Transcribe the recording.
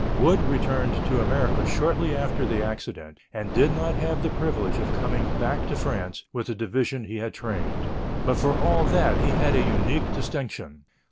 Wood returned to America shortly after the accident, and did not have the privilege of coming back to France with the division he had trained. But for all that he had a unique distinction.